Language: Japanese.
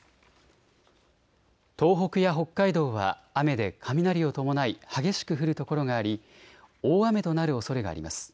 東北や北海道は雨で雷を伴い激しく降る所があり大雨となるおそれがあります。